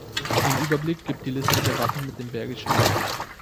Ein Überblick gibt die Liste der Wappen mit dem Bergischen Löwen.